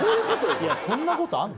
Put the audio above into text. いやそんなことあんの？